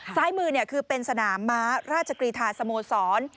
ซ้ายมือคือเป็นสนามม้าราชกรีธาสโมสร